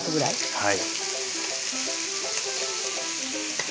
はい。